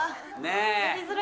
ねえ。